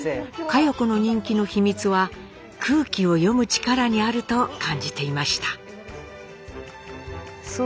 佳代子の人気の秘密は空気を読む力にあると感じていました。